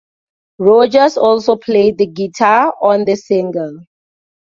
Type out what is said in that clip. Rodgers also played the guitar on the single.